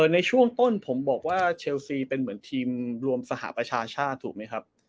ในช่วงต้นผมบอกว่าเชลซีเป็นเหมือนทีมรวมสหประชาชาติถูกไหมครับ